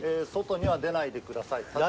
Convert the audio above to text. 外には出ないでください」。